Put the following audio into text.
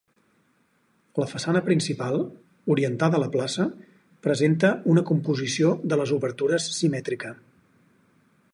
La façana principal, orientada a la plaça, presenta una composició de les obertures simètrica.